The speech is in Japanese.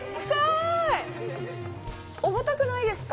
重たくないですか？